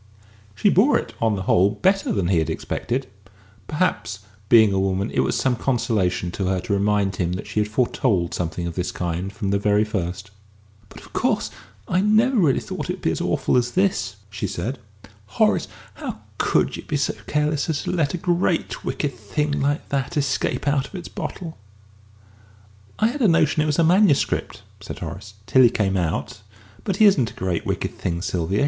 She bore it, on the whole, better than he had expected; perhaps, being a woman, it was some consolation to her to remind him that she had foretold something of this kind from the very first. "But, of course, I never really thought it would be so awful as this!" she said. "Horace, how could you be so careless as to let a great wicked thing like that escape out of its bottle?" "I had a notion it was a manuscript," said Horace "till he came out. But he isn't a great wicked thing, Sylvia.